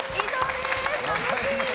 楽しみな！